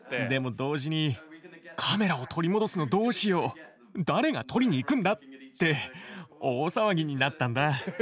でも同時にカメラを取り戻すのどうしよう誰が取りに行くんだって大騒ぎになったんだ。